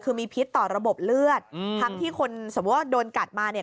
คือมีพิษต่อระบบเลือดอืมทั้งที่คนสมมุติว่าโดนกัดมาเนี่ย